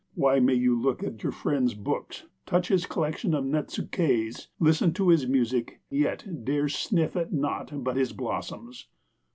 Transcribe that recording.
Why may you look at your friend's books, touch his collection of netsukés, listen to his music, yet dare sniff at naught but his blossoms!